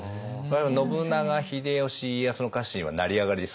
信長秀吉家康の家臣は成り上がりですから全員。